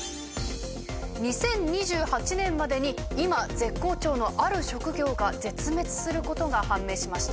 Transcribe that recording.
２０２８年までに今絶好調のある職業が絶滅することが判明しました。